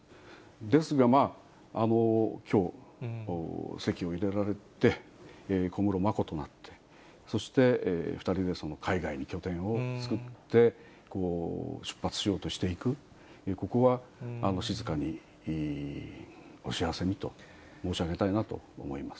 ですが、まあ、きょう、籍を入れられて、小室眞子となって、そして、２人で海外に拠点を作って、出発しようとしていく、ここは静かにお幸せにと申し上げたいなと思います。